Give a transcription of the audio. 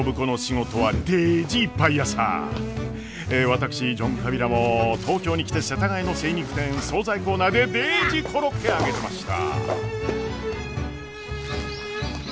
私ジョン・カビラも東京に来て世田谷の精肉店総菜コーナーでデージコロッケ揚げてました。